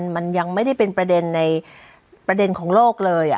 มันยังไม่ได้เป็นประเด็นในประเด็นของโลกเลย